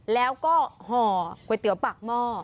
แล้วก็ห่อก๋วยเตี๋ยวปากหม้อ